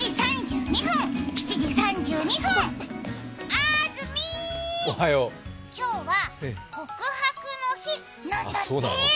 あーずみー、今日は告白の日なんだって。